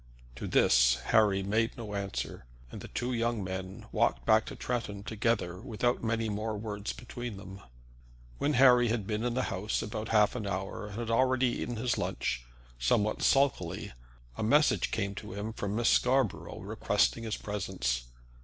To this Harry made no answer, and the two young men walked back to Tretton together without many more words between them. When Harry had been in the house about half an hour, and had already eaten his lunch, somewhat sulkily, a message came to him from Miss Scarborough requiring his presence.